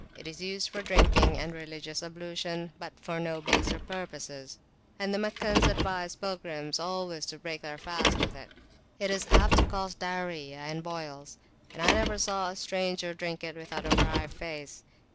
It is used for drinking and religious ablution, but for no baser purposes; and the Meccans advise pilgrims always to break their fast with it. It is apt to cause diarrhoea and boils, and I never saw a stranger drink it without a wry face.